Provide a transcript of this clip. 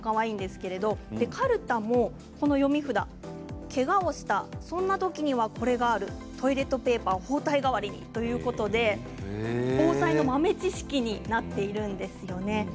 かるたもこの読み札けがをしたそんなときにはこれがあるトイレットペーパー包帯代わりにということで防災の豆知識になっているんですよね。